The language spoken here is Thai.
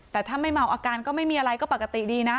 แต่ถ้าไม่เมาอาการก็ไม่มีอะไรก็ปกติดีนะ